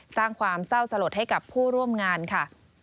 สร้างความเศร้าสลดให้กับผู้ร่วมงานค่ะ